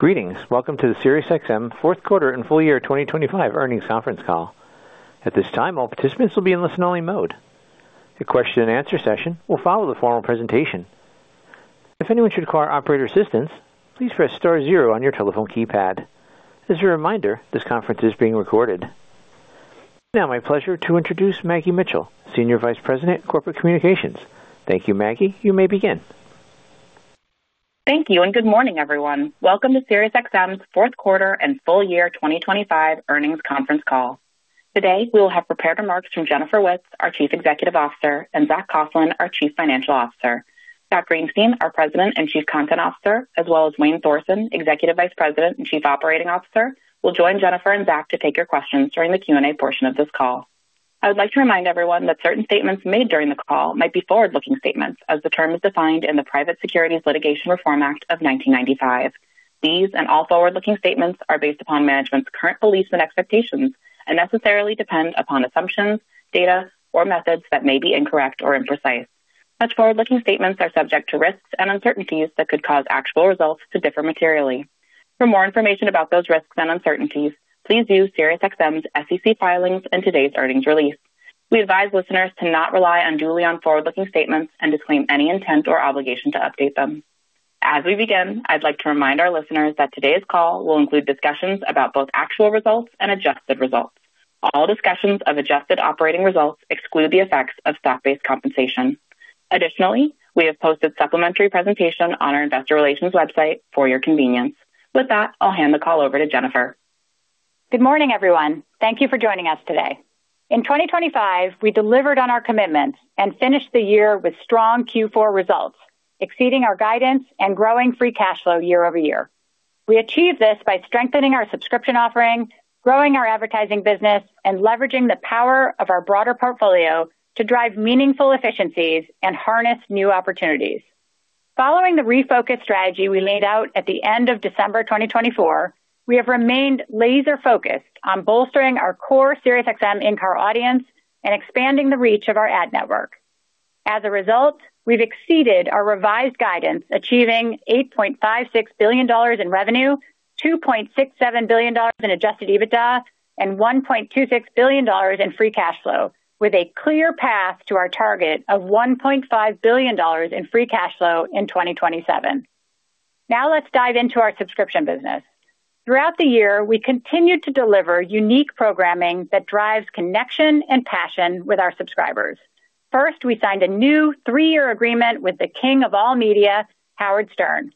Greetings. Welcome to the SiriusXM Fourth Quarter and Full-Year 2025 Earnings Conference Call. At this time, all participants will be in listen-only mode. The question-and-answer session will follow the formal presentation. If anyone should require operator assistance, please press star zero on your telephone keypad. As a reminder, this conference is being recorded. Now, my pleasure to introduce Maggie Mitchell, Senior Vice President, Corporate Communications. Thank you, Maggie. You may begin. Thank you, and good morning, everyone. Welcome to SiriusXM's fourth quarter and full year 2025 earnings conference call. Today, we will have prepared remarks from Jennifer Witz, our Chief Executive Officer, and Zach Coughlin, our Chief Financial Officer. Scott Greenstein, our President and Chief Content Officer, as well as Wayne Thorsen, Executive Vice President and Chief Operating Officer, will join Jennifer and Zach to take your questions during the Q&A portion of this call. I would like to remind everyone that certain statements made during the call might be forward-looking statements as the term is defined in the Private Securities Litigation Reform Act of 1995. These and all forward-looking statements are based upon management's current beliefs and expectations and necessarily depend upon assumptions, data, or methods that may be incorrect or imprecise. Such forward-looking statements are subject to risks and uncertainties that could cause actual results to differ materially. For more information about those risks and uncertainties, please view SiriusXM's SEC filings and today's earnings release. We advise listeners to not rely unduly on forward-looking statements and disclaim any intent or obligation to update them. As we begin, I'd like to remind our listeners that today's call will include discussions about both actual results and adjusted results. All discussions of adjusted operating results exclude the effects of stock-based compensation. Additionally, we have posted a supplementary presentation on our investor relations website for your convenience. With that, I'll hand the call over to Jennifer. Good morning, everyone. Thank you for joining us today. In 2025, we delivered on our commitments and finished the year with strong Q4 results, exceeding our guidance and growing free cash flow year-over-year. We achieved this by strengthening our subscription offering, growing our advertising business, and leveraging the power of our broader portfolio to drive meaningful efficiencies and harness new opportunities. Following the refocused strategy we laid out at the end of December 2024, we have remained laser-focused on bolstering our core SiriusXM in-car audience and expanding the reach of our ad network. As a result, we've exceeded our revised guidance, achieving $8.56 billion in revenue, $2.67 billion in Adjusted EBITDA, and $1.26 billion in free cash flow, with a clear path to our target of $1.5 billion in free cash flow in 2027. Now let's dive into our subscription business. Throughout the year, we continued to deliver unique programming that drives connection and passion with our subscribers. First, we signed a new three-year agreement with the king of all media, Howard Stern.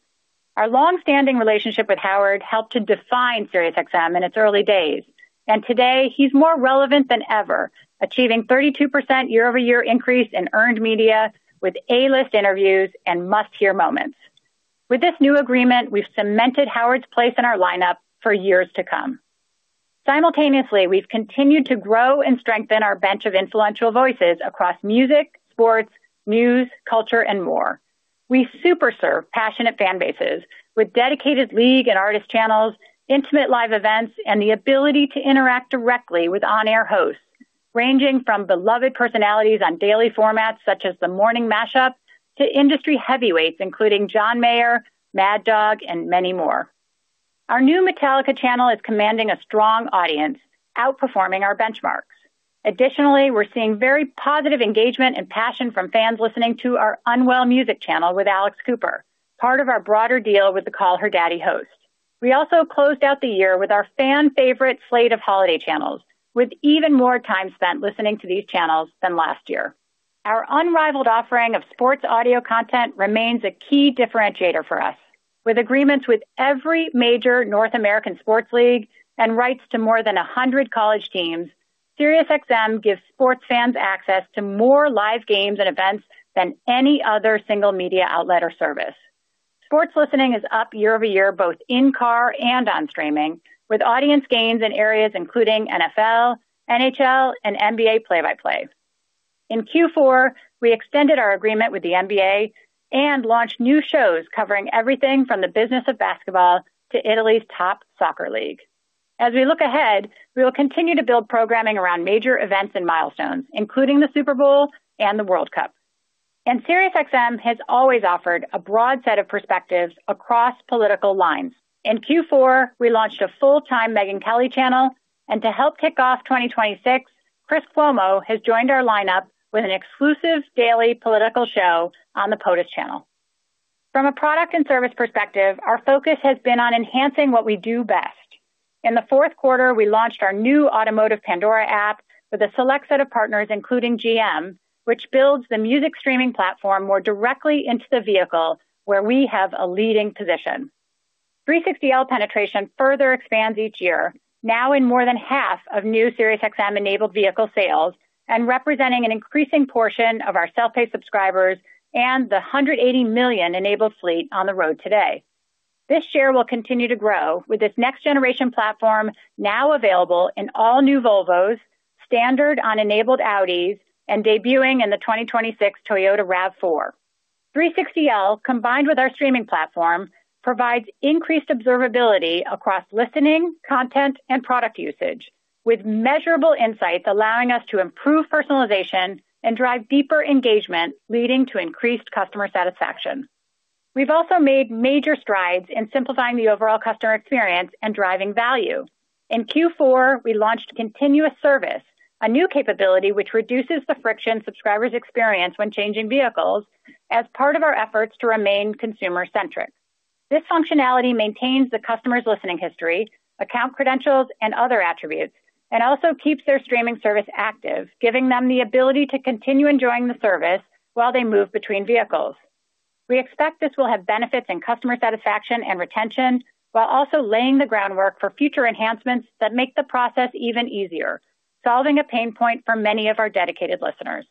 Our long-standing relationship with Howard helped to define SiriusXM in its early days, and today he's more relevant than ever, achieving 32% year-over-year increase in earned media with A-list interviews and must-hear moments. With this new agreement, we've cemented Howard's place in our lineup for years to come. Simultaneously, we've continued to grow and strengthen our bench of influential voices across music, sports, news, culture, and more. We super serve passionate fan bases with dedicated league and artist channels, intimate live events, and the ability to interact directly with on-air hosts, ranging from beloved personalities on daily formats such as the Morning Mash-Up to industry heavyweights, including John Mayer, Mad Dog, and many more. Our new Metallica channel is commanding a strong audience, outperforming our benchmarks. Additionally, we're seeing very positive engagement and passion from fans listening to our Unwell Music channel with Alex Cooper, part of our broader deal with the Call Her Daddy host. We also closed out the year with our fan-favorite slate of holiday channels, with even more time spent listening to these channels than last year. Our unrivaled offering of sports audio content remains a key differentiator for us. With agreements with every major North American sports league and rights to more than 100 college teams, SiriusXM gives sports fans access to more live games and events than any other single media outlet or service. Sports listening is up year-over-year, both in-car and on streaming, with audience gains in areas including NFL, NHL, and NBA play-by-plays. In Q4, we extended our agreement with the NBA and launched new shows covering everything from the business of basketball to Italy's top soccer league. As we look ahead, we will continue to build programming around major events and milestones, including the Super Bowl and the World Cup. SiriusXM has always offered a broad set of perspectives across political lines. In Q4, we launched a full-time Megyn Kelly channel, and to help kick off 2026, Chris Cuomo has joined our lineup with an exclusive daily political show on the POTUS Channel. From a product and service perspective, our focus has been on enhancing what we do best. In the fourth quarter, we launched our new automotive Pandora app with a select set of partners, including GM, which builds the music streaming platform more directly into the vehicle where we have a leading position. 360L penetration further expands each year, now in more than half of new SiriusXM-enabled vehicle sales and representing an increasing portion of our self-pay subscribers and the 180 million enabled fleet on the road today. This year will continue to grow, with this next-generation platform now available in all new Volvos, standard on enabled Audis, and debuting in the 2026 Toyota RAV4. 360L, combined with our streaming platform, provides increased observability across listening, content, and product usage, with measurable insights allowing us to improve personalization and drive deeper engagement, leading to increased customer satisfaction. We've also made major strides in simplifying the overall customer experience and driving value. In Q4, we launched Continuous Service, a new capability which reduces the friction subscribers experience when changing vehicles as part of our efforts to remain consumer-centric. This functionality maintains the customer's listening history, account credentials, and other attributes, and also keeps their streaming service active, giving them the ability to continue enjoying the service while they move between vehicles. We expect this will have benefits in customer satisfaction and retention, while also laying the groundwork for future enhancements that make the process even easier, solving a pain point for many of our dedicated listeners.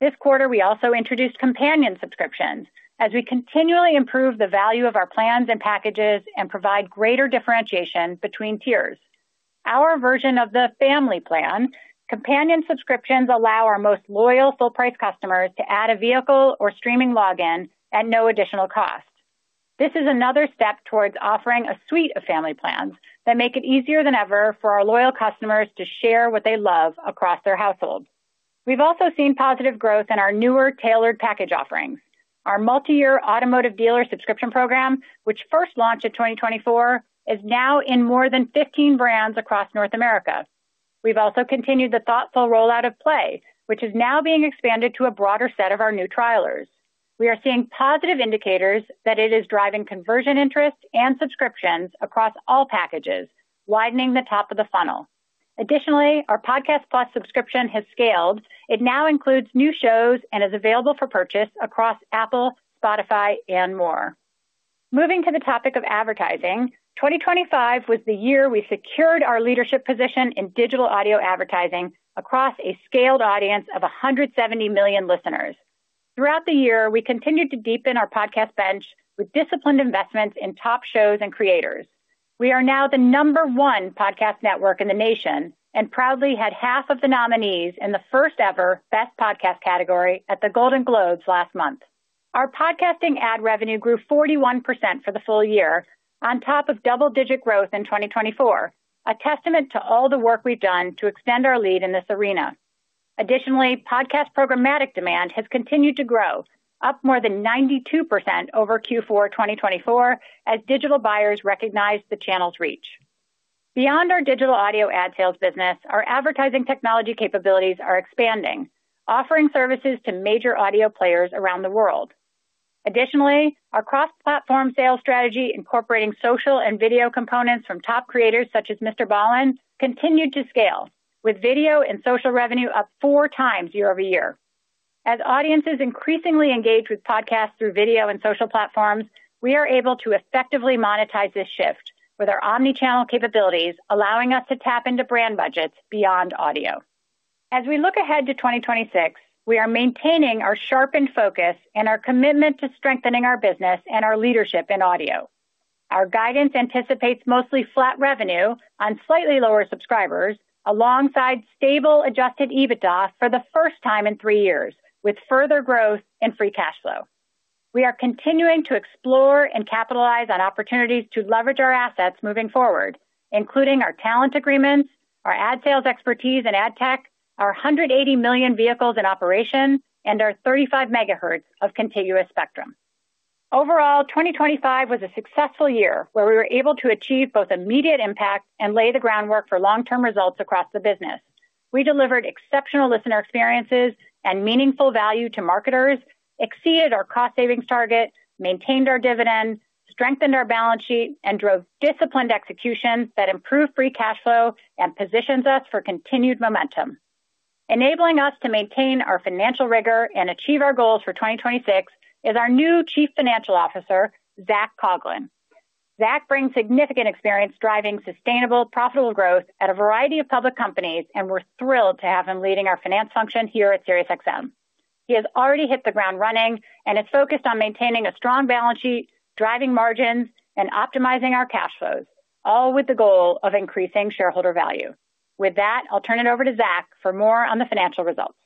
This quarter, we also introduced companion subscriptions as we continually improve the value of our plans and packages and provide greater differentiation between tiers. Our version of the family plan, companion subscriptions allow our most loyal full-price customers to add a vehicle or streaming login at no additional cost. This is another step towards offering a suite of family plans that make it easier than ever for our loyal customers to share what they love across their household. We've also seen positive growth in our newer tailored package offerings. Our multiyear automotive dealer subscription program, which first launched in 2024, is now in more than 15 brands across North America. We've also continued the thoughtful rollout of Play, which is now being expanded to a broader set of our new trialers. We are seeing positive indicators that it is driving conversion interest and subscriptions across all packages, widening the top of the funnel. Additionally, our Podcast Plus subscription has scaled. It now includes new shows and is available for purchase across Apple, Spotify, and more. Moving to the topic of advertising, 2025 was the year we secured our leadership position in digital audio advertising across a scaled audience of 170 million listeners. Throughout the year, we continued to deepen our podcast bench with disciplined investments in top shows and creators. We are now the number one podcast network in the nation, and proudly had half of the nominees in the first-ever Best Podcast category at the Golden Globes last month. Our podcasting ad revenue grew 41% for the full year, on top of double-digit growth in 2024, a testament to all the work we've done to extend our lead in this arena. Additionally, podcast programmatic demand has continued to grow, up more than 92% over Q4 2024, as digital buyers recognize the channel's reach. Beyond our digital audio ad sales business, our advertising technology capabilities are expanding, offering services to major audio players around the world. Additionally, our cross-platform sales strategy, incorporating social and video components from top creators such as MrBallen, continued to scale, with video and social revenue up 4x year-over-year. As audiences increasingly engage with podcasts through video and social platforms, we are able to effectively monetize this shift with our omni-channel capabilities, allowing us to tap into brand budgets beyond audio. As we look ahead to 2026, we are maintaining our sharpened focus and our commitment to strengthening our business and our leadership in audio. Our guidance anticipates mostly flat revenue on slightly lower subscribers, alongside stable Adjusted EBITDA for the first time in three years, with further growth in free cash flow. We are continuing to explore and capitalize on opportunities to leverage our assets moving forward, including our talent agreements, our ad sales expertise and ad tech, our 180 million vehicles in operation, and our 35 MHz of contiguous spectrum. Overall, 2025 was a successful year, where we were able to achieve both immediate impact and lay the groundwork for long-term results across the business. We delivered exceptional listener experiences and meaningful value to marketers, exceeded our cost savings target, maintained our dividends, strengthened our balance sheet, and drove disciplined execution that improved free cash flow and positions us for continued momentum. Enabling us to maintain our financial rigor and achieve our goals for 2026 is our new Chief Financial Officer, Zach Coughlin. Zach brings significant experience driving sustainable, profitable growth at a variety of public companies, and we're thrilled to have him leading our finance function here at SiriusXM. He has already hit the ground running and is focused on maintaining a strong balance sheet, driving margins, and optimizing our cash flows, all with the goal of increasing shareholder value. With that, I'll turn it over to Zach for more on the financial results.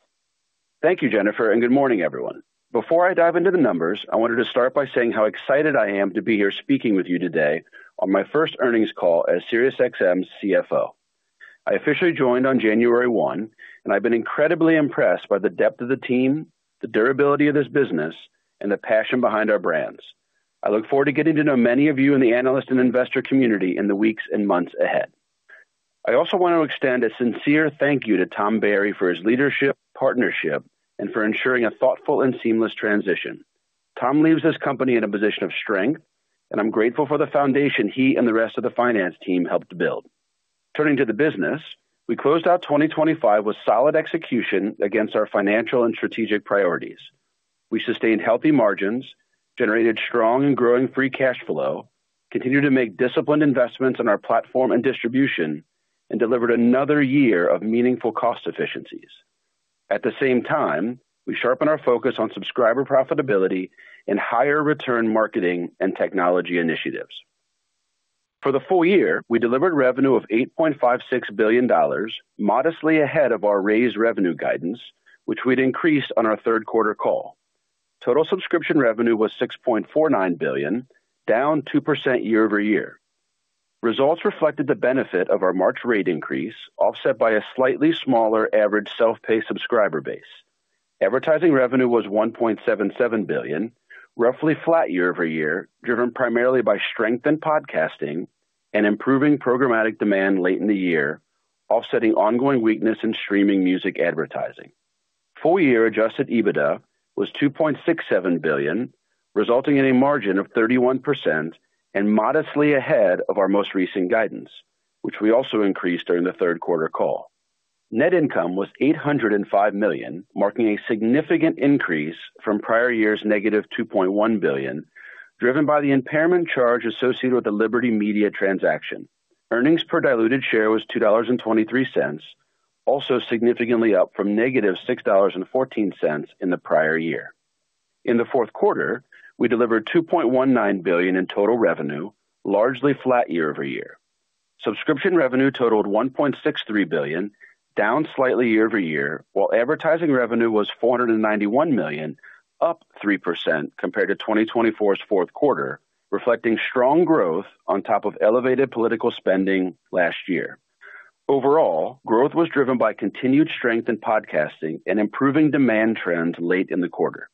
Thank you, Jennifer, and good morning, everyone. Before I dive into the numbers, I wanted to start by saying how excited I am to be here speaking with you today on my first earnings call as SiriusXM's CFO. I officially joined on January 1, and I've been incredibly impressed by the depth of the team, the durability of this business, and the passion behind our brands. I look forward to getting to know many of you in the analyst and investor community in the weeks and months ahead. I also want to extend a sincere thank you to Tom Barry for his leadership, partnership, and for ensuring a thoughtful and seamless transition. Tom leaves this company in a position of strength, and I'm grateful for the foundation he and the rest of the finance team helped build. Turning to the business, we closed out 2025 with solid execution against our financial and strategic priorities. We sustained healthy margins, generated strong and growing free cash flow, continued to make disciplined investments in our platform and distribution, and delivered another year of meaningful cost efficiencies. At the same time, we sharpened our focus on subscriber profitability and higher return marketing and technology initiatives. For the full year, we delivered revenue of $8.56 billion, modestly ahead of our raised revenue guidance, which we'd increased on our third quarter call. Total subscription revenue was $6.49 billion, down 2% year-over-year. Results reflected the benefit of our March rate increase, offset by a slightly smaller average self-pay subscriber base. Advertising revenue was $1.77 billion, roughly flat year-over-year, driven primarily by strength in podcasting and improving programmatic demand late in the year, offsetting ongoing weakness in streaming music advertising. Full-year Adjusted EBITDA was $2.67 billion, resulting in a margin of 31% and modestly ahead of our most recent guidance, which we also increased during the third quarter call. Net income was $805 million, marking a significant increase from prior year's -$2.1 billion, driven by the impairment charge associated with the Liberty Media transaction. Earnings per diluted share was $2.23, also significantly up from -$6.14 in the prior year. In the fourth quarter, we delivered $2.19 billion in total revenue, largely flat year-over-year. Subscription revenue totaled $1.63 billion, down slightly year over year, while advertising revenue was $491 million, up 3% compared to 2024's fourth quarter, reflecting strong growth on top of elevated political spending last year. Overall, growth was driven by continued strength in podcasting and improving demand trends late in the quarter.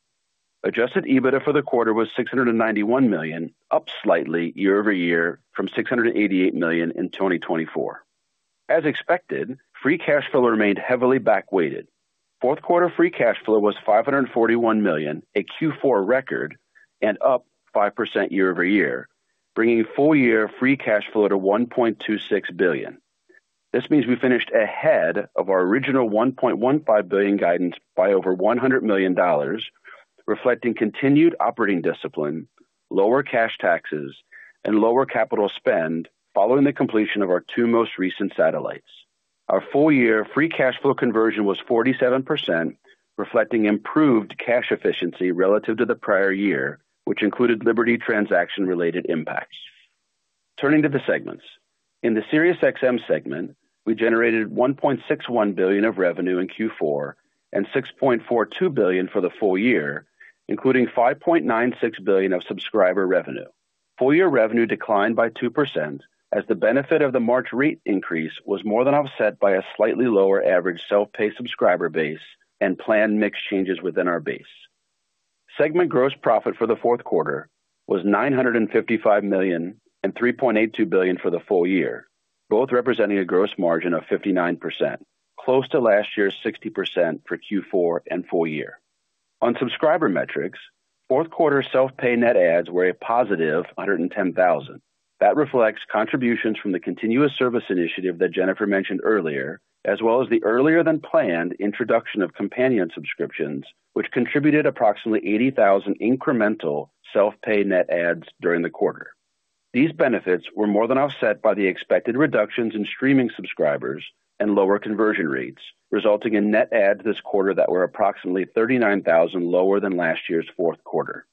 Adjusted EBITDA for the quarter was $691 million, up slightly year over year from $688 million in 2024. As expected, free cash flow remained heavily backweighted. Fourth quarter free cash flow was $541 million, a Q4 record and up 5% year over year, bringing full year free cash flow to $1.26 billion. This means we finished ahead of our original $1.15 billion guidance by over $100 million, reflecting continued operating discipline, lower cash taxes and lower capital spend following the completion of our two most recent satellites. Our full year free cash flow conversion was 47%, reflecting improved cash efficiency relative to the prior year, which included Liberty transaction-related impacts. Turning to the segments. In the SiriusXM segment, we generated $1.61 billion of revenue in Q4 and $6.42 billion for the full year, including $5.96 billion of subscriber revenue. Full year revenue declined by 2%, as the benefit of the March rate increase was more than offset by a slightly lower average self-pay subscriber base and plan mix changes within our base. Segment gross profit for the fourth quarter was $955 million and $3.82 billion for the full year, both representing a gross margin of 59%, close to last year's 60% for Q4 and full year. On subscriber metrics, fourth quarter self-pay net adds were a positive 110,000. That reflects contributions from the Continuous Service initiative that Jennifer mentioned earlier, as well as the earlier than planned introduction of Companion subscriptions, which contributed approximately 80,000 incremental self-pay net adds during the quarter. These benefits were more than offset by the expected reductions in streaming subscribers and lower conversion rates, resulting in net adds this quarter that were approximately 39,000 lower than last year's fourth quarter.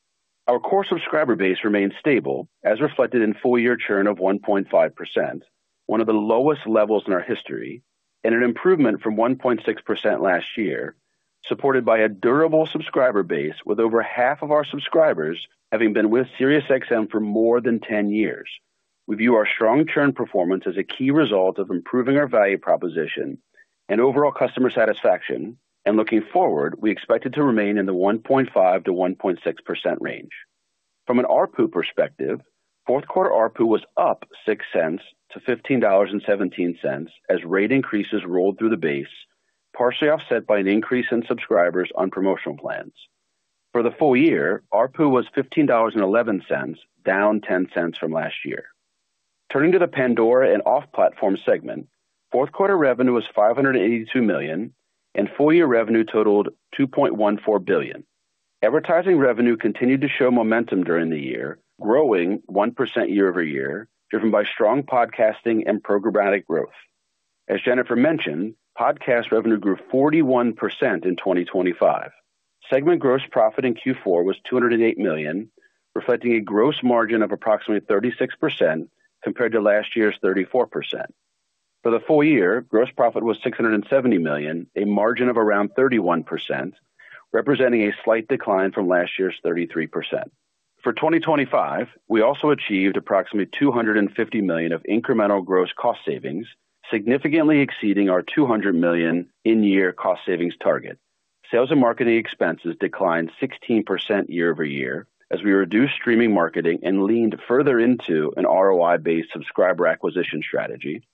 Our core subscriber base remains stable, as reflected in full-year churn of 1.5%, one of the lowest levels in our history, and an improvement from 1.6% last year, supported by a durable subscriber base, with over half of our subscribers having been with SiriusXM for more than 10 years. We view our strong churn performance as a key result of improving our value proposition and overall customer satisfaction, and looking forward, we expect it to remain in the 1.5%-1.6% range. From an ARPU perspective, fourth quarter ARPU was up $0.06 to $15.17 as rate increases rolled through the base, partially offset by an increase in subscribers on promotional plans. For the full year, ARPU was $15.11, down $0.10 from last year. Turning to the Pandora and Off Platform segment, fourth quarter revenue was $582 million, and full year revenue totaled $2.14 billion. Advertising revenue continued to show momentum during the year, growing 1% year-over-year, driven by strong podcasting and programmatic growth. As Jennifer mentioned, podcast revenue grew 41% in 2025. Segment gross profit in Q4 was $208 million, reflecting a gross margin of approximately 36%, compared to last year's 34%. For the full year, gross profit was $670 million, a margin of around 31%, representing a slight decline from last year's 33%. For 2025, we also achieved approximately $250 million of incremental gross cost savings, significantly exceeding our $200 million in-year cost savings target. Sales and marketing expenses declined 16% year-over-year as we reduced streaming marketing and leaned further into an ROI-based subscriber acquisition strategy,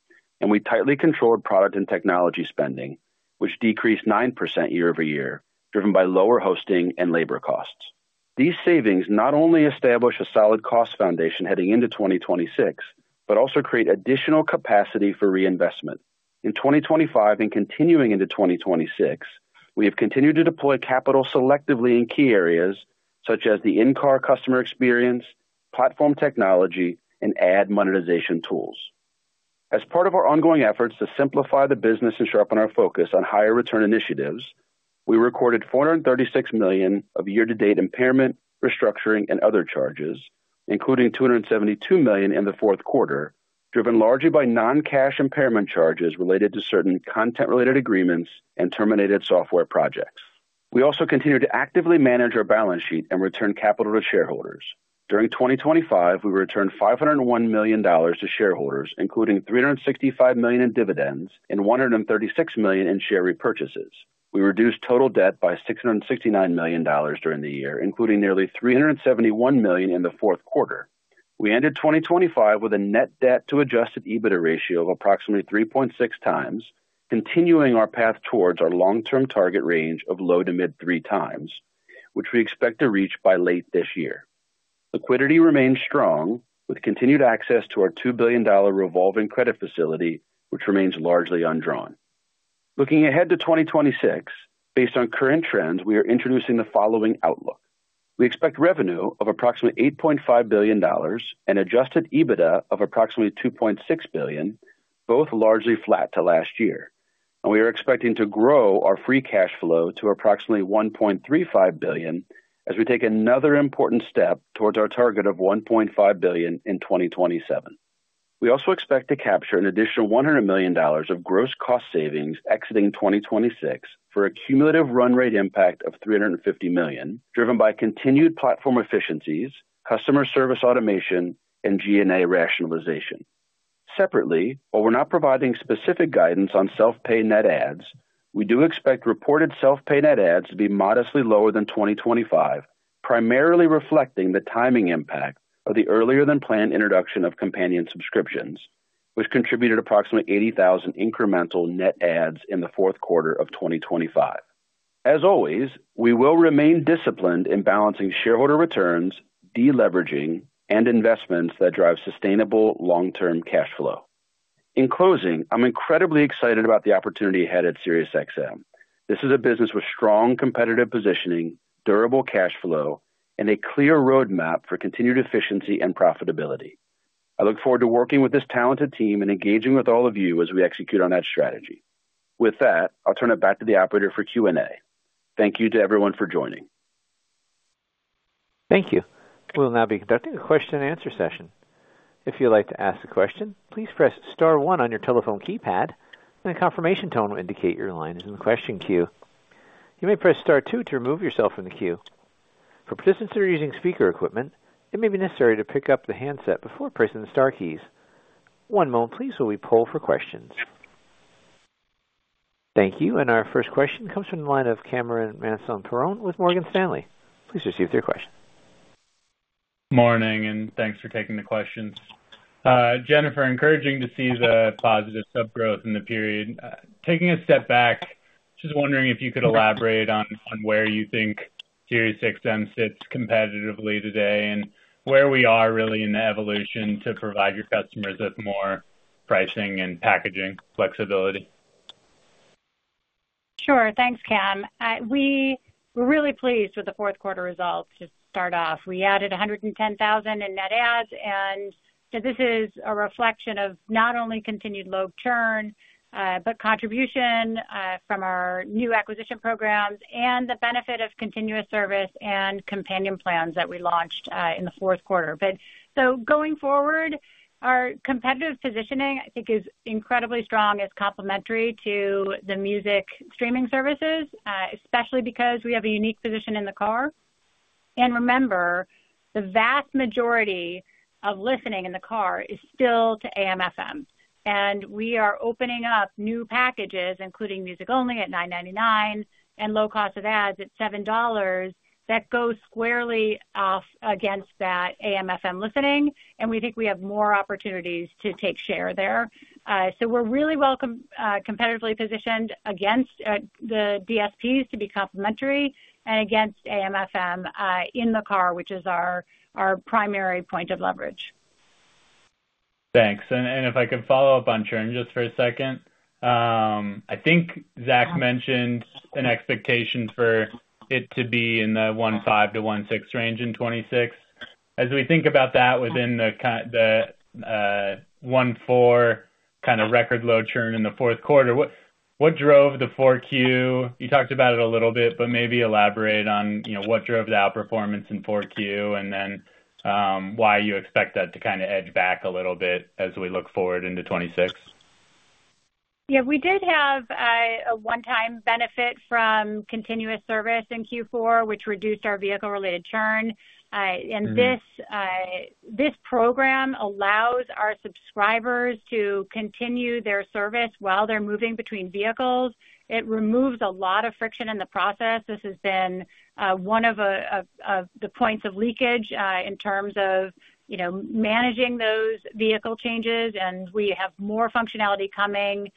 and we tightly controlled product and technology spending, which decreased 9% year-over-year, driven by lower hosting and labor costs. These savings not only establish a solid cost foundation heading into 2026, but also create additional capacity for reinvestment. In 2025 and continuing into 2026, we have continued to deploy capital selectively in key areas such as the in-car customer experience, platform technology, and ad monetization tools. As part of our ongoing efforts to simplify the business and sharpen our focus on higher return initiatives, we recorded $436 million of year-to-date impairment, restructuring and other charges, including $272 million in the fourth quarter, driven largely by non-cash impairment charges related to certain content-related agreements and terminated software projects. We also continue to actively manage our balance sheet and return capital to shareholders. During 2025, we returned $501 million to shareholders, including $365 million in dividends and $136 million in share repurchases. We reduced total debt by $669 million during the year, including nearly $371 million in the fourth quarter. We ended 2025 with a net debt to Adjusted EBITDA ratio of approximately 3.6x, continuing our path towards our long-term target range of low- to mid-3x, which we expect to reach by late this year. Liquidity remains strong, with continued access to our $2 billion revolving credit facility, which remains largely undrawn. Looking ahead to 2026, based on current trends, we are introducing the following outlook. We expect revenue of approximately $8.5 billion and Adjusted EBITDA of approximately $2.6 billion, both largely flat to last year, and we are expecting to grow our free cash flow to approximately $1.35 billion as we take another important step towards our target of $1.5 billion in 2027. We also expect to capture an additional $100 million of gross cost savings exiting 2026 for a cumulative run rate impact of $350 million, driven by continued platform efficiencies, customer service automation, and G&A rationalization. Separately, while we're not providing specific guidance on self-pay net adds, we do expect reported self-pay net adds to be modestly lower than 2025, primarily reflecting the timing impact of the earlier than planned introduction of companion subscriptions, which contributed approximately 80,000 incremental net adds in the fourth quarter of 2025. As always, we will remain disciplined in balancing shareholder returns, deleveraging, and investments that drive sustainable long-term cash flow. In closing, I'm incredibly excited about the opportunity ahead at SiriusXM. This is a business with strong competitive positioning, durable cash flow, and a clear roadmap for continued efficiency and profitability. I look forward to working with this talented team and engaging with all of you as we execute on that strategy. With that, I'll turn it back to the operator for Q&A. Thank you to everyone for joining. Thank you. We'll now be conducting a question-and-answer session. If you'd like to ask a question, please press star one on your telephone keypad, and a confirmation tone will indicate your line is in the question queue. You may press star two to remove yourself from the queue. For participants that are using speaker equipment, it may be necessary to pick up the handset before pressing the star keys. One moment please, while we poll for questions. Thank you. Our first question comes from the line of Cameron Mansson-Perrone with Morgan Stanley. Please proceed with your question. Morning, and thanks for taking the questions. Jennifer, encouraging to see the positive sub growth in the period. Taking a step back, just wondering if you could elaborate on where you think SiriusXM sits competitively today and where we are really in the evolution to provide your customers with more pricing and packaging flexibility. Sure. Thanks, Cam. We were really pleased with the fourth quarter results. To start off, we added 110,000 in net adds, and this is a reflection of not only continued low churn, but contribution from our new acquisition programs and the benefit of continuous service and companion plans that we launched in the fourth quarter. Going forward, our competitive positioning, I think, is incredibly strong. It's complementary to the music streaming services, especially because we have a unique position in the car. Remember, the vast majority of listening in the car is still to AM/FM, and we are opening up new packages, including music only at $9.99 and low cost of ads at $7 that goes squarely off against that AM/FM listening, and we think we have more opportunities to take share there. So, we're really well competitively positioned against the DSPs to be complementary and against AM/FM in the car, which is our primary point of leverage. Thanks. If I could follow up on churn just for a second. I think Zach mentioned an expectation for it to be in the 1.5-1.6 range in 2026. As we think about that within the 1.4 kind of record low churn in the fourth quarter, what drove the 4Q? You talked about it a little bit, but maybe elaborate on, you know, what drove the outperformance in 4Q and then why you expect that to kind of edge back a little bit as we look forward into 2026. Yeah, we did have a one-time benefit from continuous service in Q4, which reduced our vehicle-related churn. Mm-hmm. And this program allows our subscribers to continue their service while they're moving between vehicles. It removes a lot of friction in the process. This has been one of the points of leakage in terms of, you know, managing those vehicle changes. And we have more functionality coming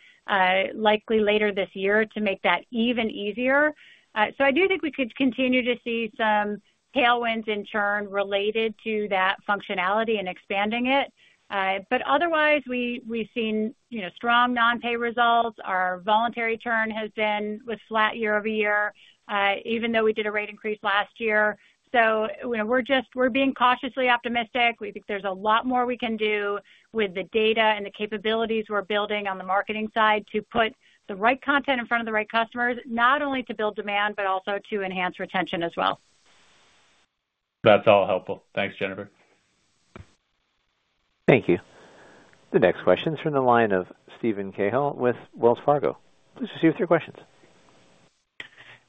likely later this year to make that even easier. So I do think we could continue to see some tailwinds in churn related to that functionality and expanding it. But otherwise, we've seen, you know, strong non-pay results. Our voluntary churn has been flat year over year, even though we did a rate increase last year. So we're just - we're being cautiously optimistic. We think there's a lot more we can do with the data and the capabilities we're building on the marketing side to put the right content in front of the right customers, not only to build demand, but also to enhance retention as well. That's all helpful. Thanks, Jennifer. Thank you. The next question is from the line of Steven Cahall with Wells Fargo. Please proceed with your questions.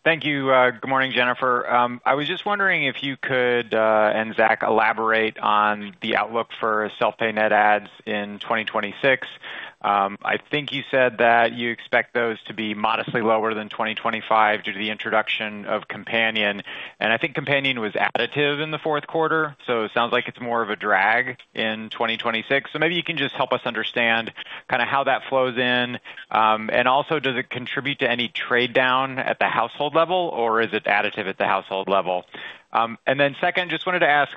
Thank you. Good morning, Jennifer. I was just wondering if you could, and Zach, elaborate on the outlook for self-pay net adds in 2026. I think you said that you expect those to be modestly lower than 2025 due to the introduction of Companion, and I think Companion was additive in the fourth quarter, so it sounds like it's more of a drag in 2026. So maybe you can just help us understand kind of how that flows in. And also, does it contribute to any trade-down at the household level, or is it additive at the household level? And then second, just wanted to ask,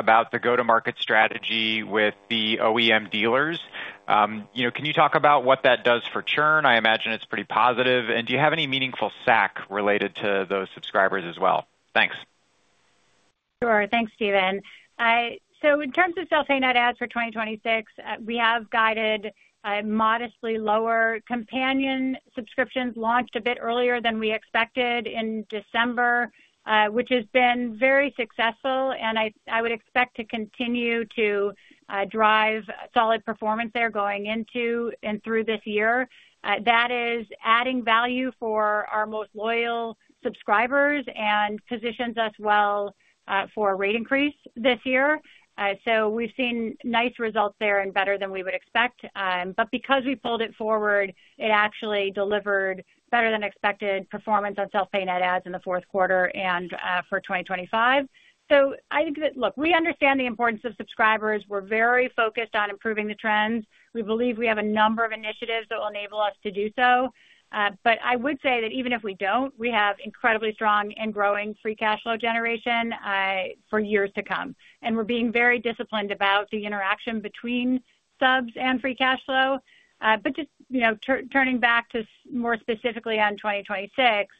about the go-to-market strategy with the OEM dealers. You know, can you talk about what that does for churn? I imagine it's pretty positive. Do you have any meaningful SAC related to those subscribers as well? Thanks. Sure. Thanks, Steven. So in terms of self-pay net ads for 2026, we have guided modestly lower. Companion subscriptions launched a bit earlier than we expected in December, which has been very successful, and I would expect to continue to drive solid performance there going into and through this year. That is adding value for our most loyal subscribers and positions us well for a rate increase this year. So we've seen nice results there and better than we would expect. But because we pulled it forward, it actually delivered better-than-expected performance on self-pay net ads in the fourth quarter and for 2025. So I think that... Look, we understand the importance of subscribers. We're very focused on improving the trends. We believe we have a number of initiatives that will enable us to do so. But I would say that even if we don't, we have incredibly strong and growing free cash flow generation, for years to come, and we're being very disciplined about the interaction between subs and free cash flow. But just, you know, turning back to more specifically on 2026,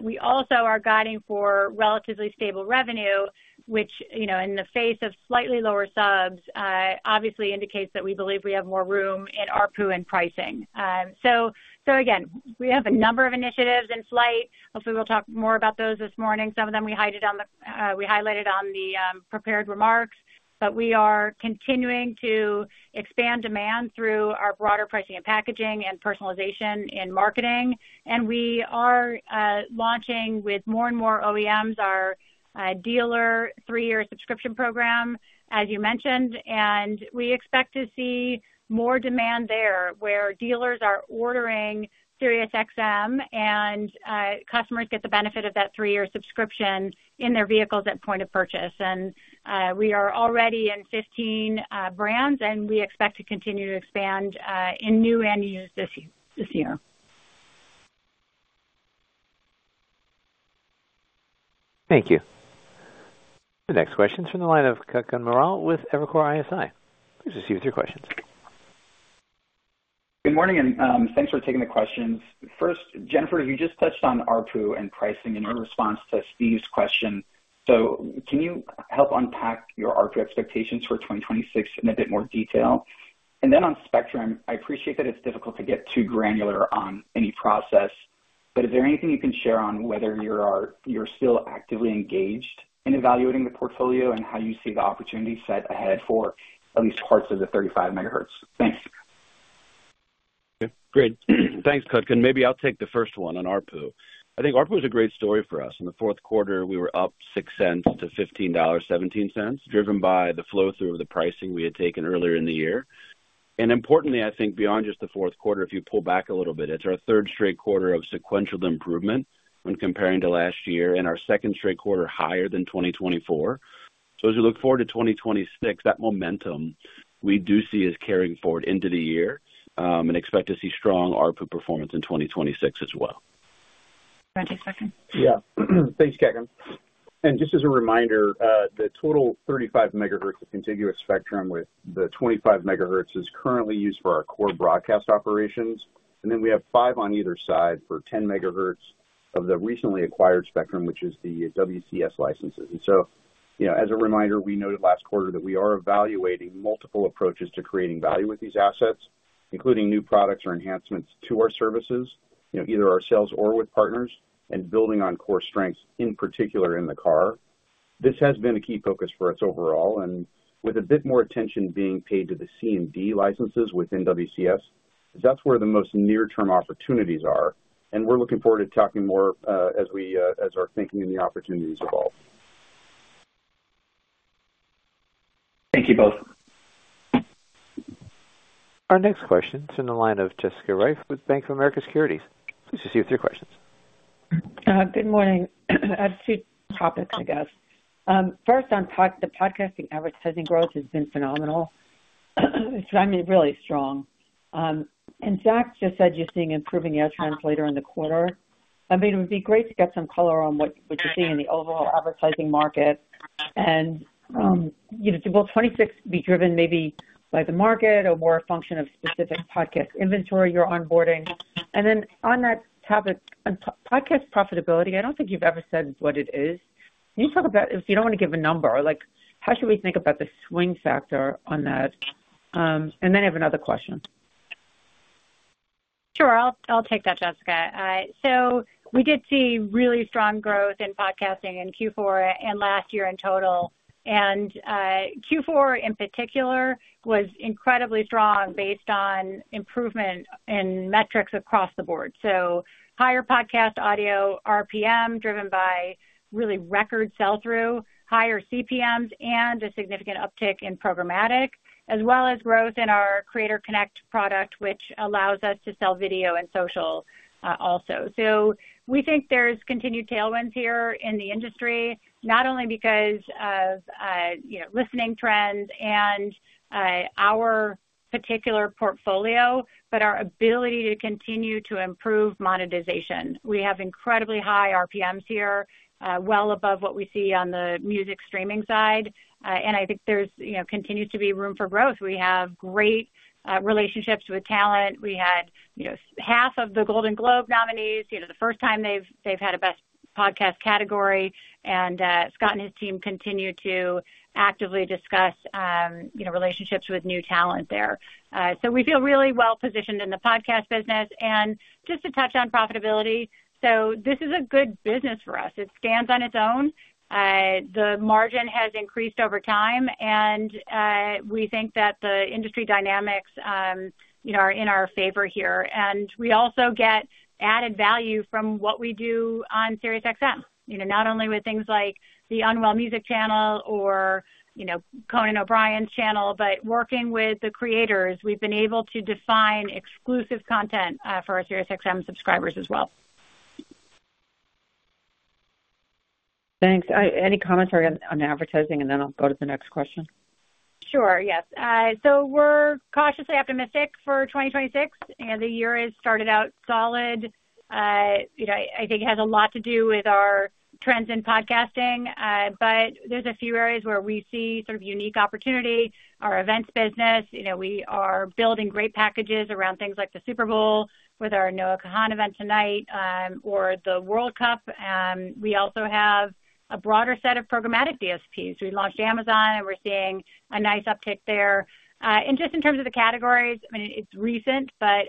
we also are guiding for relatively stable revenue, which, you know, in the face of slightly lower subs, obviously indicates that we believe we have more room in ARPU and pricing. So, so again, we have a number of initiatives in flight. Hopefully, we'll talk more about those this morning. Some of them we highlighted on the prepared remarks, but we are continuing to expand demand through our broader pricing and packaging and personalization in marketing. We are launching with more and more OEMs our dealer three-year subscription program, as you mentioned, and we expect to see more demand there, where dealers are ordering SiriusXM and customers get the benefit of that three-year subscription in their vehicles at point of purchase. We are already in 15 brands, and we expect to continue to expand in new and used this year, this year. Thank you. The next question is from the line of Kutgun Maral with Evercore ISI. Please proceed with your questions. Good morning, and thanks for taking the questions. First, Jennifer, you just touched on ARPU and pricing in your response to Steve's question. So can you help unpack your ARPU expectations for 2026 in a bit more detail? And then on Spectrum, I appreciate that it's difficult to get too granular on any process, but is there anything you can share on whether you're still actively engaged in evaluating the portfolio and how you see the opportunity set ahead for at least parts of the 35MHz? Thanks. Great. Thanks, Kutgun. Maybe I'll take the first one on ARPU. I think ARPU is a great story for us. In the fourth quarter, we were up $0.06-$15.17, driven by the flow-through of the pricing we had taken earlier in the year. And importantly, I think beyond just the fourth quarter, if you pull back a little bit, it's our third straight quarter of sequential improvement when comparing to last year and our second straight quarter higher than 2024. So as we look forward to 2026, that momentum we do see is carrying forward into the year, and expect to see strong ARPU performance in 2026 as well. Do you want to take second? Yeah. Thanks, Kutgun. And just as a reminder, the total 35 megahertz of contiguous spectrum with the 25 megahertz is currently used for our core broadcast operations, and then we have 5 on either side for 10 megahertz of the recently acquired spectrum, which is the WCS licenses. And so, you know, as a reminder, we noted last quarter that we are evaluating multiple approaches to creating value with these assets, including new products or enhancements to our services, you know, either ourselves or with partners, and building on core strengths, in particular in the car. This has been a key focus for us overall, and with a bit more attention being paid to the C and D licenses within WCS, that's where the most near-term opportunities are, and we're looking forward to talking more, as we, as our thinking and the opportunities evolve. Thank you both. Our next question is in the line of Jessica Reif with Bank of America Securities. Please proceed with your questions. Good morning. I have two topics, I guess. First, on the podcasting advertising growth has been phenomenal, I mean, really strong. And Zach just said you're seeing improving ad trends later in the quarter. I mean, it would be great to get some color on what, what you're seeing in the overall advertising market. And, you know, will 2026 be driven maybe by the market or more a function of specific podcast inventory you're onboarding? And then on that topic, on podcast profitability, I don't think you've ever said what it is. Can you talk about... If you don't want to give a number, like, how should we think about the swing factor on that? And then I have another question.... Sure, I'll take that, Jessica. So we did see really strong growth in podcasting in Q4 and last year in total. And Q4, in particular, was incredibly strong based on improvement in metrics across the board. So higher podcast audio RPM, driven by really record sell-through, higher CPMs, and a significant uptick in programmatic, as well as growth in our Creator Connect product, which allows us to sell video and social also. So we think there's continued tailwinds here in the industry, not only because of you know, listening trends and our particular portfolio, but our ability to continue to improve monetization. We have incredibly high RPMs here, well above what we see on the music streaming side. And I think there's you know, continues to be room for growth. We have great relationships with talent. We had, you know, half of the Golden Globes nominees, you know, the first time they've had a best podcast category, and Scott and his team continue to actively discuss, you know, relationships with new talent there. So we feel really well positioned in the podcast business. And just to touch on profitability, so this is a good business for us. It stands on its own. The margin has increased over time, and we think that the industry dynamics, you know, are in our favor here. And we also get added value from what we do on SiriusXM. You know, not only with things like the Unwell Music channel or, you know, Conan O'Brien's channel, but working with the creators, we've been able to define exclusive content for our SiriusXM subscribers as well. Thanks. Any commentary on, on advertising, and then I'll go to the next question? Sure, yes. So we're cautiously optimistic for 2026, and the year has started out solid. You know, I think it has a lot to do with our trends in podcasting, but there's a few areas where we see sort of unique opportunity. Our events business, you know, we are building great packages around things like the Super Bowl with our Noah Kahan event tonight, or the World Cup. We also have a broader set of programmatic DSPs. We launched Amazon, and we're seeing a nice uptick there. And just in terms of the categories, I mean, it's recent, but,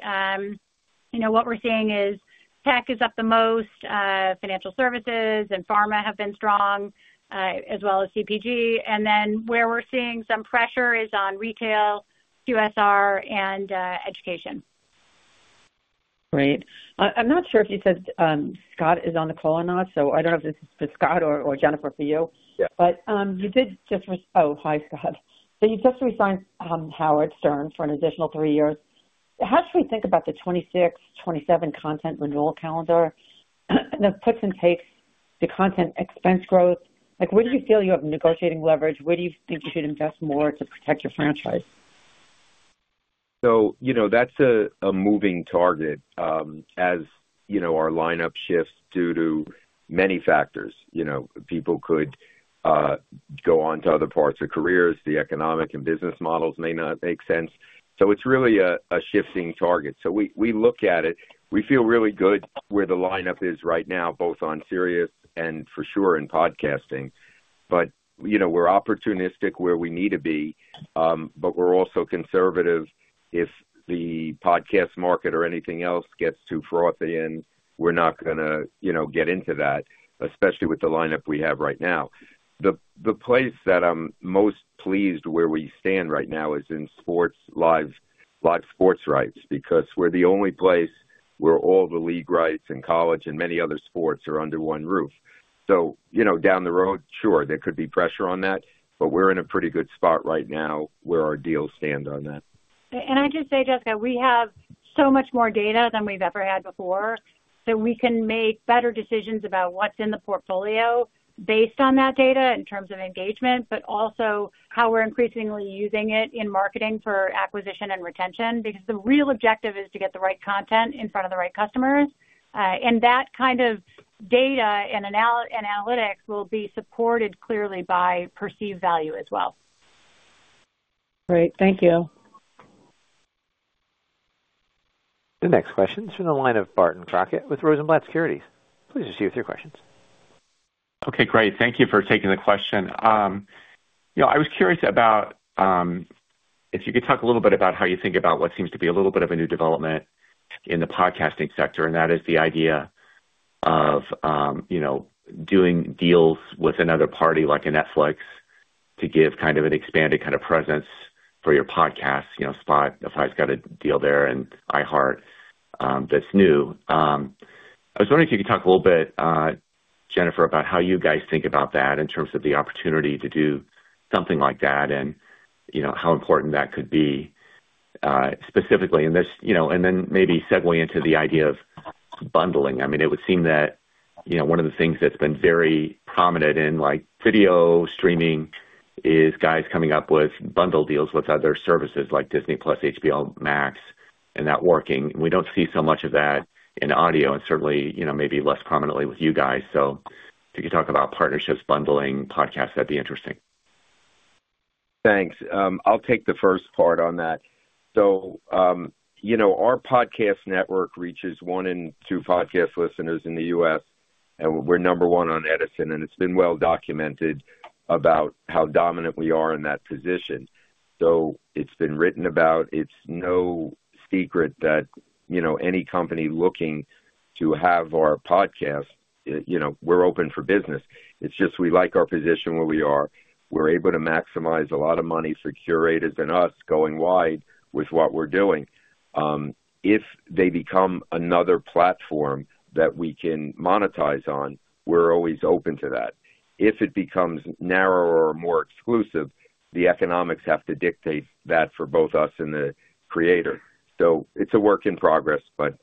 you know, what we're seeing is tech is up the most, financial services and pharma have been strong, as well as CPG. And then where we're seeing some pressure is on retail, QSR and, education. Great. I'm not sure if you said Scott is on the call or not, so I don't know if this is for Scott or Jennifer, for you. Yeah. Oh, hi, Scott. So you just renewed Howard Stern for an additional three years. How should we think about the 2026, 2027 content renewal calendar? The puts and takes, the content expense growth. Like, where do you feel you have negotiating leverage? Where do you think you should invest more to protect your franchise? So, you know, that's a moving target. As you know, our lineup shifts due to many factors. You know, people could go on to other parts or careers. The economic and business models may not make sense. So it's really a shifting target. So we look at it. We feel really good where the lineup is right now, both on Sirius and for sure in podcasting. But, you know, we're opportunistic where we need to be, but we're also conservative if the podcast market or anything else gets too frothy, and we're not going to, you know, get into that, especially with the lineup we have right now. The place that I'm most pleased where we stand right now is in sports, live sports rights, because we're the only place where all the league rights and college and many other sports are under one roof. So, you know, down the road, sure, there could be pressure on that, but we're in a pretty good spot right now where our deals stand on that. I just say, Jessica, we have so much more data than we've ever had before, so we can make better decisions about what's in the portfolio based on that data, in terms of engagement, but also how we're increasingly using it in marketing for acquisition and retention. Because the real objective is to get the right content in front of the right customers, and that kind of data and analytics will be supported clearly by perceived value as well. Great. Thank you. The next question is from the line of Barton Crockett with Rosenblatt Securities. Please proceed with your questions. Okay, great. Thank you for taking the question. You know, I was curious about if you could talk a little bit about how you think about what seems to be a little bit of a new development in the podcasting sector, and that is the idea of, you know, doing deals with another party, like a Netflix, to give kind of an expanded kind of presence for your podcast. You know, Spotify's got a deal there and iHeart, that's new. I was wondering if you could talk a little bit, Jennifer, about how you guys think about that in terms of the opportunity to do something like that and, you know, how important that could be, specifically. And this, you know, and then maybe segue into the idea of bundling. I mean, it would seem that, you know, one of the things that's been very prominent in, like, video streaming is guys coming up with bundle deals with other services like Disney+, HBO Max, and that working. We don't see so much of that in audio and certainly, you know, maybe less prominently with you guys. So if you could talk about partnerships, bundling, podcasts, that'd be interesting. Thanks. I'll take the first part on that. So, you know, our podcast network reaches one in two podcast listeners in the U.S.... and we're number one on Edison, and it's been well documented about how dominant we are in that position. So it's been written about. It's no secret that, you know, any company looking to have our podcast, you know, we're open for business. It's just we like our position where we are. We're able to maximize a lot of money for curators and us going wide with what we're doing. If they become another platform that we can monetize on, we're always open to that. If it becomes narrower or more exclusive, the economics have to dictate that for both us and the creator. So it's a work in progress, but,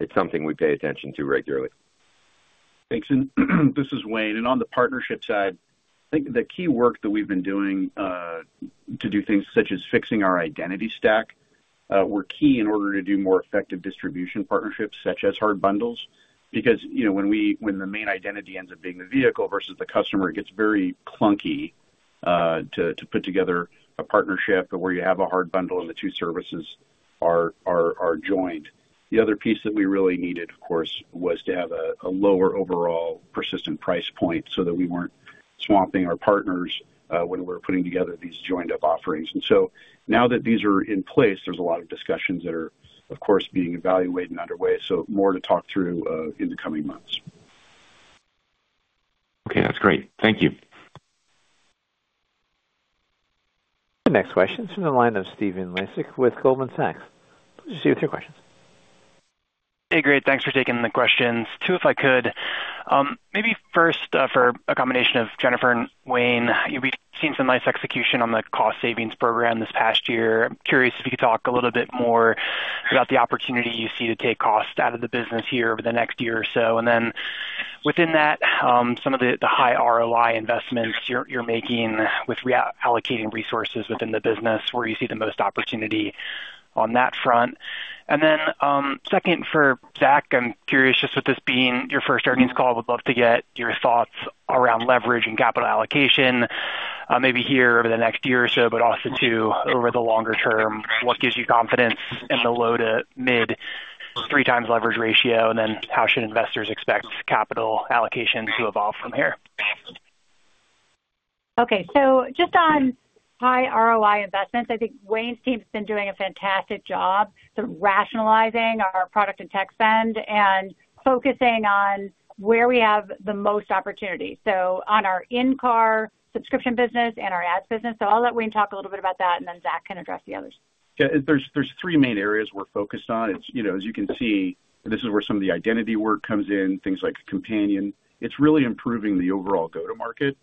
it's something we pay attention to regularly. Thanks. This is Wayne. On the partnership side, I think the key work that we've been doing to do things such as fixing our identity stack were key in order to do more effective distribution partnerships, such as hard bundles. Because, you know, when the main identity ends up being the vehicle versus the customer, it gets very clunky to put together a partnership where you have a hard bundle and the two services are joined. The other piece that we really needed, of course, was to have a lower overall persistent price point so that we weren't swamping our partners when we're putting together these joined-up offerings. So now that these are in place, there's a lot of discussions that are, of course, being evaluated and underway, so more to talk through in the coming months. Okay, that's great. Thank you. The next question is from the line of Stephen Laszczyk with Goldman Sachs. Please proceed with your questions. Hey, great. Thanks for taking the questions. Two, if I could. Maybe first, for a combination of Jennifer and Wayne, you've been seeing some nice execution on the cost savings program this past year. I'm curious if you could talk a little bit more about the opportunity you see to take costs out of the business here over the next year or so. And then within that, some of the high ROI investments you're making with reallocating resources within the business, where you see the most opportunity on that front. Second, for Zach, I'm curious, just with this being your first earnings call, I would love to get your thoughts around leverage and capital allocation, maybe here over the next year or so, but also too, over the longer term, what gives you confidence in the low- to mid-3x leverage ratio? How should investors expect capital allocation to evolve from here? Okay. So just on high ROI investments, I think Wayne's team has been doing a fantastic job sort of rationalizing our product and tech spend and focusing on where we have the most opportunity, so on our in-car subscription business and our ads business. So I'll let Wayne talk a little bit about that, and then Zach can address the others. Yeah, there's three main areas we're focused on. It's, you know, as you can see, this is where some of the identity work comes in, things like companion. It's really improving the overall go-to-market.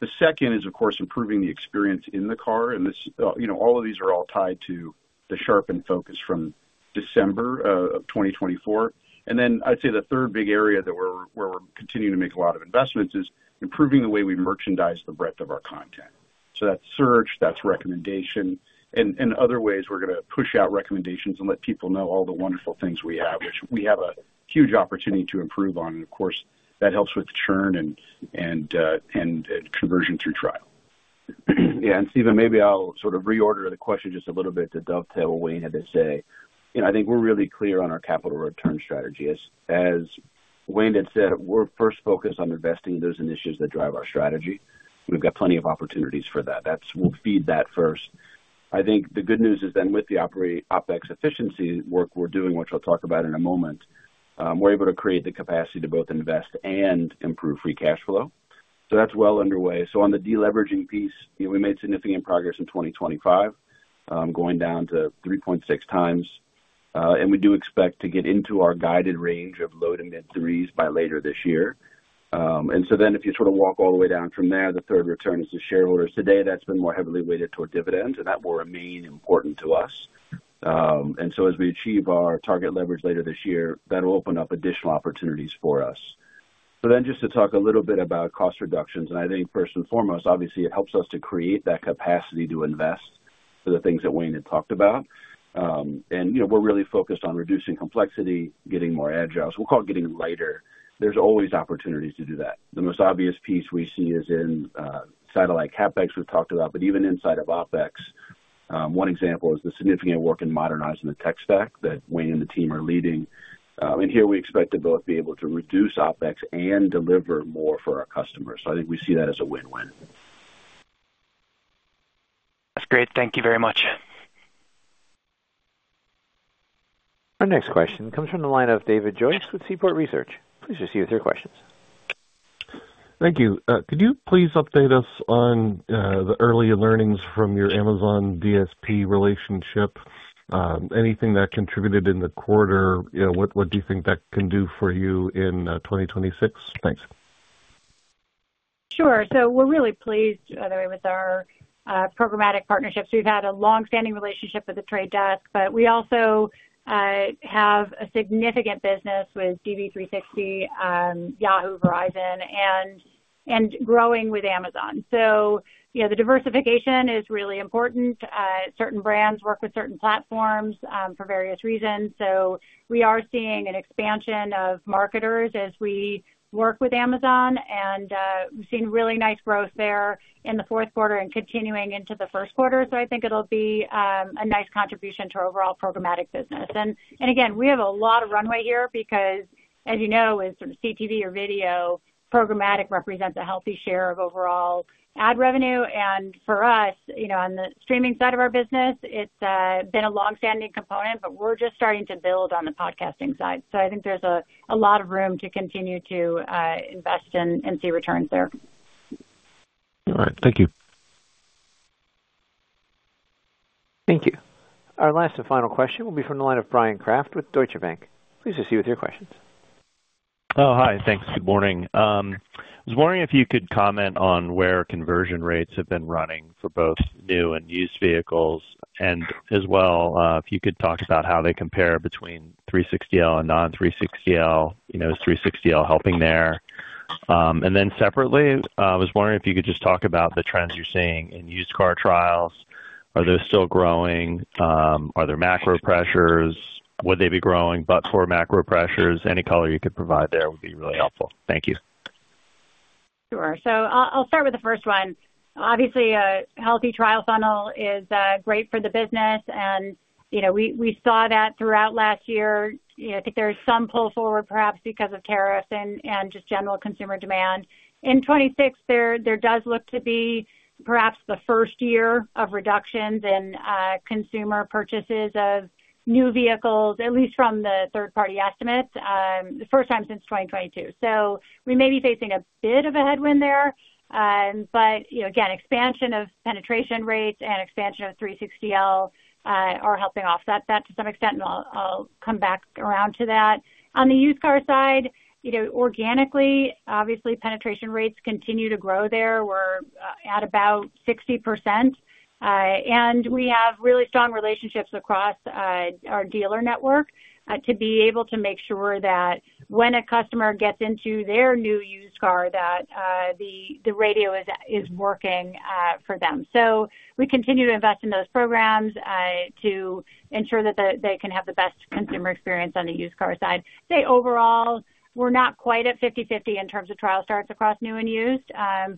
The second is, of course, improving the experience in the car, and this, you know, all of these are all tied to the sharpened focus from December of 2024. And then I'd say the third big area that we're where we're continuing to make a lot of investments is improving the way we merchandise the breadth of our content. So that's search, that's recommendation, and other ways we're going to push out recommendations and let people know all the wonderful things we have, which we have a huge opportunity to improve on. And of course, that helps with churn and conversion through trial. Yeah, and Stephen, maybe I'll sort of reorder the question just a little bit to dovetail what Wayne had to say. You know, I think we're really clear on our capital return strategy. As Wayne had said, we're first focused on investing those initiatives that drive our strategy. We've got plenty of opportunities for that. That's. We'll feed that first. I think the good news is then with the OpEx efficiency work we're doing, which I'll talk about in a moment, we're able to create the capacity to both invest and improve free cash flow. So that's well underway. So on the deleveraging piece, we made significant progress in 2025, going down to 3.6x, and we do expect to get into our guided range of low- to mid-3s by later this year. And so then if you sort of walk all the way down from there, the third return is to shareholders. Today, that's been more heavily weighted toward dividends, and that will remain important to us. And so as we achieve our target leverage later this year, that'll open up additional opportunities for us. So then just to talk a little bit about cost reductions, and I think first and foremost, obviously, it helps us to create that capacity to invest for the things that Wayne had talked about. And, you know, we're really focused on reducing complexity, getting more agile. So we'll call it getting lighter. There's always opportunities to do that. The most obvious piece we see is in satellite CapEx we've talked about, but even inside of OpEx, one example is the significant work in modernizing the tech stack that Wayne and the team are leading. And here we expect to both be able to reduce OpEx and deliver more for our customers. So I think we see that as a win-win. That's great. Thank you very much. Our next question comes from the line of David Joyce with Seaport Research. Please proceed with your questions. Thank you. Could you please update us on the early learnings from your Amazon DSP relationship? Anything that contributed in the quarter, you know, what do you think that can do for you in 2026? Thanks. Sure. So we're really pleased with our programmatic partnerships. We've had a long-standing relationship with The Trade Desk, but we also have a significant business with DV360, Yahoo, Verizon, and growing with Amazon. So, you know, the diversification is really important. Certain brands work with certain platforms for various reasons. So we are seeing an expansion of marketers as we work with Amazon, and we've seen really nice growth there in the fourth quarter and continuing into the first quarter. So I think it'll be a nice contribution to our overall programmatic business. And again, we have a lot of runway here because, as you know, in sort of CTV or video, programmatic represents a healthy share of overall ad revenue. For us, you know, on the streaming side of our business, it's been a long-standing component, but we're just starting to build on the podcasting side. I think there's a lot of room to continue to invest and see returns there. All right. Thank you. Thank you. Our last and final question will be from the line of Brian Kraft with Deutsche Bank. Please proceed with your questions. Oh, hi. Thanks. Good morning. I was wondering if you could comment on where conversion rates have been running for both new and used vehicles, and as well, if you could talk about how they compare between 360L and non-360L, you know, is 360L helping there? And then separately, I was wondering if you could just talk about the trends you're seeing in used car trials. Are they still growing? Are there macro pressures? Would they be growing but for macro pressures? Any color you could provide there would be really helpful. Thank you. Sure. So I'll start with the first one. Obviously, a healthy trial funnel is great for the business, and, you know, we saw that throughout last year. You know, I think there is some pull forward, perhaps because of tariffs and just general consumer demand. In 2026, there does look to be perhaps the first year of reductions in consumer purchases of new vehicles, at least from the third-party estimates, the first time since 2022. So we may be facing a bit of a headwind there. But, you know, again, expansion of penetration rates and expansion of 360L are helping offset that to some extent, and I'll come back around to that. On the used car side, you know, organically, obviously, penetration rates continue to grow there. We're at about 60%, and we have really strong relationships across our dealer network to be able to make sure that when a customer gets into their new used car, the radio is working for them. So we continue to invest in those programs to ensure that they can have the best customer experience on the used car side. I'd say, overall, we're not quite at 50/50 in terms of trial starts across new and used,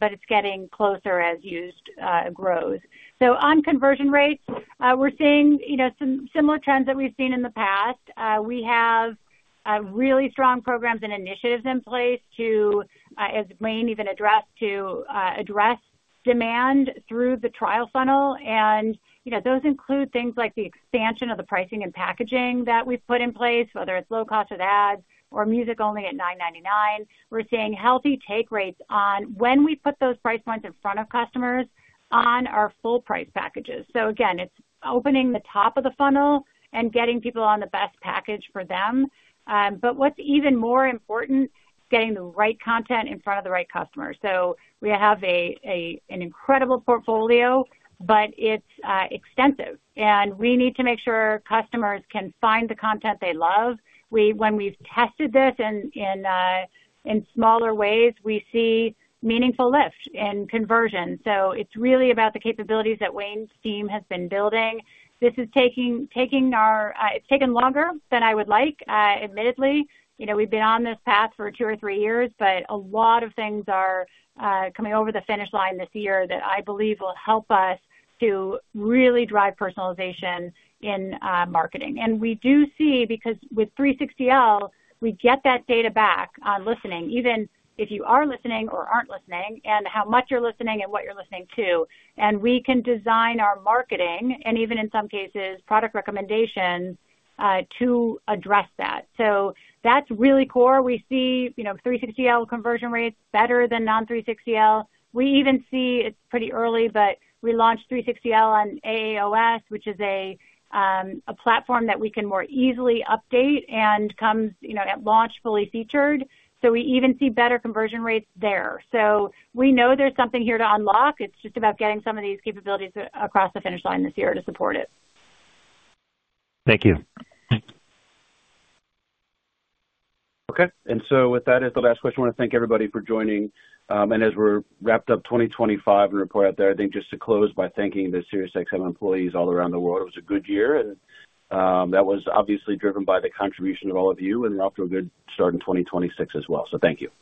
but it's getting closer as used grows. So on conversion rates, we're seeing, you know, some similar trends that we've seen in the past. We have really strong programs and initiatives in place to, as Wayne even addressed, address demand through the trial funnel. You know, those include things like the expansion of the pricing and packaging that we've put in place, whether it's low cost of ads or music only at $9.99. We're seeing healthy take rates on when we put those price points in front of customers on our full price packages. So again, it's opening the top of the funnel and getting people on the best package for them. But what's even more important is getting the right content in front of the right customer. So we have an incredible portfolio, but it's extensive, and we need to make sure customers can find the content they love. When we've tested this in smaller ways, we see meaningful lift in conversion. So it's really about the capabilities that Wayne's team has been building. This is taking our... It's taken longer than I would like, admittedly. You know, we've been on this path for two or three years, but a lot of things are coming over the finish line this year that I believe will help us to really drive personalization in marketing. And we do see, because with 360L, we get that data back on listening, even if you are listening or aren't listening, and how much you're listening and what you're listening to, and we can design our marketing, and even in some cases, product recommendations to address that. So that's really core. We see, you know, 360L conversion rates better than non-360L. We even see, it's pretty early, but we launched 360L on AAOS, which is a platform that we can more easily update and comes, you know, at launch, fully featured. So we even see better conversion rates there. So we know there's something here to unlock. It's just about getting some of these capabilities across the finish line this year to support it. Thank you. Okay, so with that as the last question, I want to thank everybody for joining. As we're wrapped up 2025 and report out there, I think just to close by thanking the SiriusXM employees all around the world. It was a good year, and that was obviously driven by the contribution of all of you, and we're off to a good start in 2026 as well. So thank you.